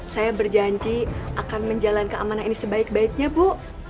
saya berjanji akan menjalani keamanan ini sebaik baiknya bu